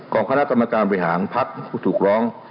คณะกรรมการบริหารพักผู้ถูกร้อง